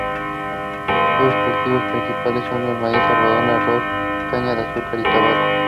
Sus cultivos principales son el maíz, algodón, arroz, caña de azúcar y tabaco.